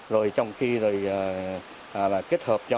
rồi trong khi kết hợp cho